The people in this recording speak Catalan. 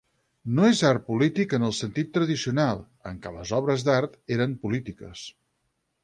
No és art polític en el sentit tradicional, en què les obres d'art eren polítiques.